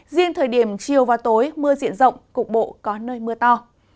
riêng thời điểm chiều và tối mưa diện rộng cục bộ có nơi mưa to